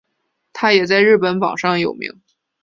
它也在日本榜上有名。